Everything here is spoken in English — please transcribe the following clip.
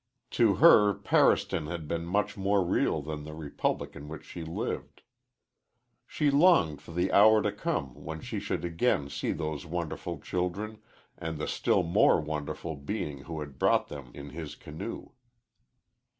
To her Paristan had been much more real than the republic in which she lived. She longed for the hour to come when she should again see those wonderful children and the still more wonderful being who had brought them in his canoe.